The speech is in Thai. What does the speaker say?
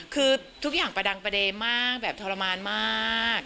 คือทุกอย่างประดังประเด็นมากแบบทรมานมาก